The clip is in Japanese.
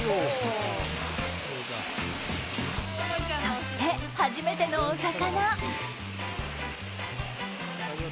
そして初めてのお魚。